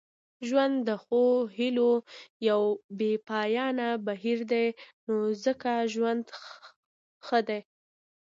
ژوند د ښو هیلو یو بې پایانه بهیر دی نو ځکه ژوند ښه دی.